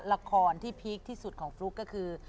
ละครที่พีคที่สุดของฟลุ๊กก็คือ